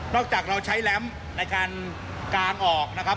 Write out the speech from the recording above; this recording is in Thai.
จากเราใช้แหลมในการกางออกนะครับ